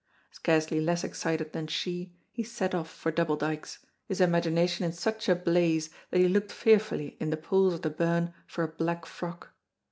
Scarcely less excited than she, he set off for Double Dykes, his imagination in such a blaze that he looked fearfully in the pools of the burn for a black frock.